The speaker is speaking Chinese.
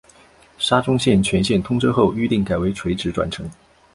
沙中线全线通车后预定改为垂直转乘。